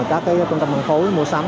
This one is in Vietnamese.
các công tâm băng khối mua sắm